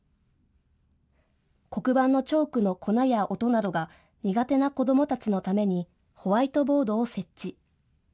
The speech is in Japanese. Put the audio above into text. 黒板のチョークの粉や音などが苦手な子どもたちのためにホワイトボードを設置。